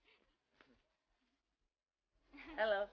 tapi pasti gak seganteng fatir gue